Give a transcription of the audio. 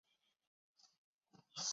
洒尔佛散的作用靶标是梅毒螺旋体。